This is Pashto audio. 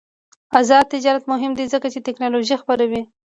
آزاد تجارت مهم دی ځکه چې تکنالوژي خپروي.